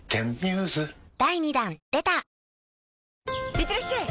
いってらっしゃい！